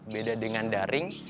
beda dengan daring